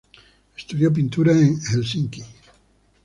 Estudió pintura en Helsinki.